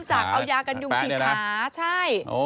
เริ่มจากเอายากันยุงฉีดขาใช่